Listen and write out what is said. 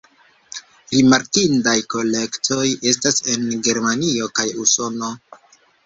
Rimarkindaj kolektoj estas en Germanio kaj Usono.